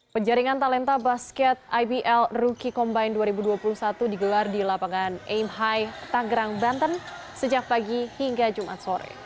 penjaringan talenta basket ibl rookie combine dua ribu dua puluh satu digelar di lapangan aim high tanggerang banten sejak pagi hingga jumat sore